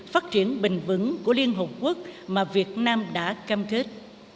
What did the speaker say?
phát triển bình vững của liên hợp quốc mà việt nam đã cam kết